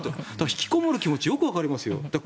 引きこもる気持ちがよくわかりますよ。